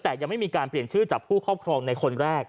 แต่ยังไม่มีการเปลี่ยนชื่อจากผู้ครอบครองในคนแรก